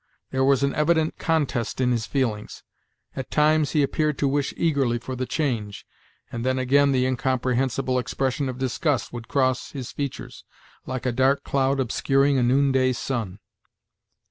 There was an evident contest in his feelings; at times he appeared to wish eagerly for the change, and then again the incomprehensible expression of disgust would cross his features, like a dark cloud obscuring a noonday sun.